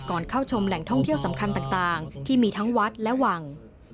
เข้าชมแหล่งท่องเที่ยวสำคัญต่างที่มีทั้งวัดและวัง